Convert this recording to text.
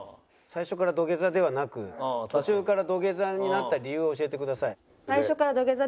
最初から土下座ではなく途中から土下座になった理由を教えてください。